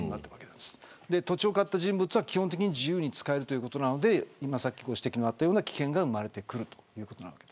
土地を買った人物は自由に使えるということでさっき指摘があったような危険が生まれてくるわけです。